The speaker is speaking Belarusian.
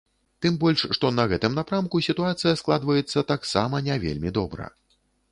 Тым больш што на гэтым напрамку сітуацыя складваецца таксама не вельмі добра.